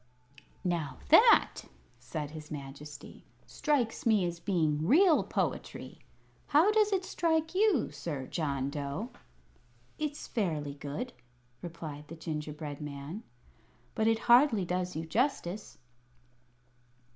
'" "Now that," said his Majesty, "strikes me as being real poetry. How does it strike you, Sir John Dough?" "It's fairly good," replied the gingerbread man; "but it hardly does you justice."